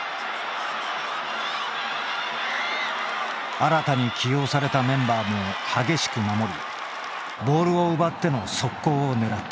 新たに起用されたメンバーも激しく守りボールを奪っての速攻を狙った。